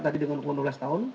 dengan hukuman sebelas tahun